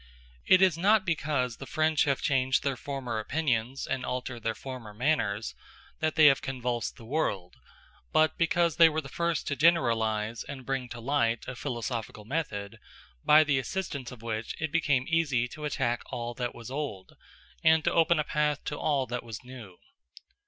It is not because the French have changed their former opinions, and altered their former manners, that they have convulsed the world; but because they were the first to generalize and bring to light a philosophical method, by the assistance of which it became easy to attack all that was old, and to open a path to all that was new.